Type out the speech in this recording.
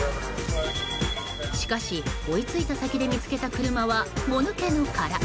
しかし、追いついた先で見つけた車は、もぬけの殻。